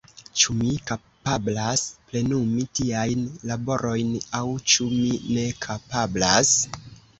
Ĉu mi kapablas plenumi tiajn laborojn aŭ ĉu mi ne kapablas?